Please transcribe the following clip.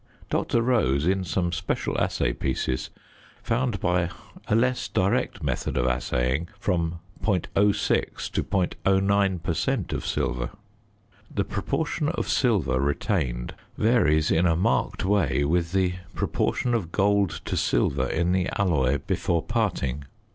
Dr. Rose in some special assay pieces found by a less direct method of assaying, from .06 to .09 per cent. of silver. The proportion of silver retained varies in a marked way with the proportion of gold to silver in the alloy before parting.